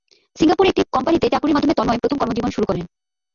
সিঙ্গাপুরে একটি কোম্পানিতে চাকুরীর মাধ্যমে তন্ময় প্রথম কর্মজীবন শুরু করেন।